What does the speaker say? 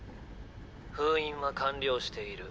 封印は完了している。